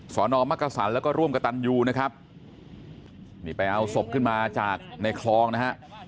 สอนอมักกษันแล้วก็ร่วมกับตันยูนะครับนี่ไปเอาศพขึ้นมาจากในคลองนะฮะ